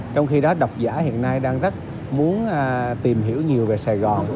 trong khi đó đọc giả hiện nay đang rất muốn tìm hiểu nhiều về sài gòn